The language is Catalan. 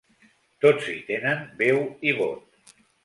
Tots hi tenen veu i vot.